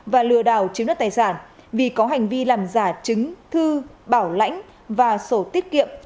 và lừa đào chiếm đoạt tài sản vì có hành vi làm giả trứng thư bảo lãnh và sổ tiết kiệm